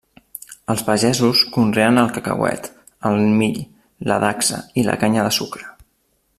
Els pagesos conreen el cacauet, el mill, la dacsa i la canya de sucre.